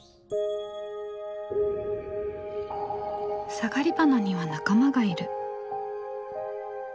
サガリバナには仲間がいる。